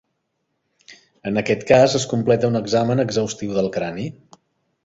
En aquest cas, es completa un examen exhaustiu del crani.